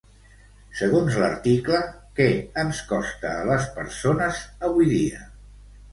Segons l'article, què ens costa a les persones avui dia?